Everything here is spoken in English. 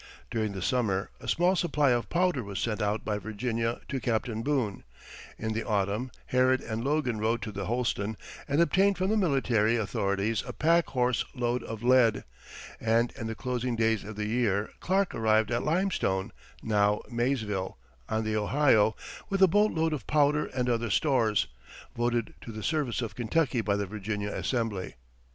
During the summer a small supply of powder was sent out by Virginia to Captain Boone; in the autumn Harrod and Logan rode to the Holston and obtained from the military authorities a packhorse load of lead; and in the closing days of the year Clark arrived at Limestone (now Maysville), on the Ohio, with a boat load of powder and other stores, voted to the service of Kentucky by the Virginia Assembly.